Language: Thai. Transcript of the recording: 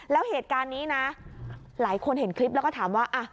แล้วเหตุการณ์นี้นะหลายคนเห็นคลิปแล้วก็ถามว่า